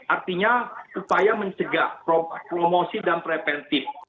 artinya upaya mencegah promosi dan preventif